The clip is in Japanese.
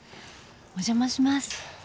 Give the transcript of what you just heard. お邪魔します。